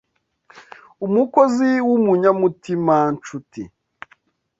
Umukozi w’umunya mutima nshuti